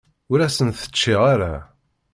Ur asen-t-ččiɣ ara.